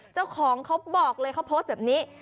เจ้าของเขาบอกเลยเขาโพสต์แบบนี้